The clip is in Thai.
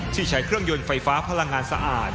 ใช้เครื่องยนต์ไฟฟ้าพลังงานสะอาด